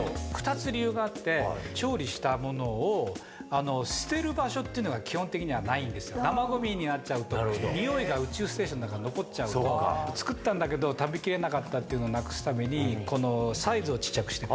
２つ理由があって、調理したものを捨てる場所というのが、基本的にはないんですよ、生ごみになっちゃうと、においが宇宙ステーションの中に残っちゃうから、作ったんだけど、食べきれなかったっていうのをなくすために、サイズをちっちゃくした。